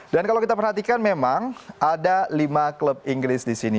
dan kalau kita perhatikan memang ada lima klub inggris di sini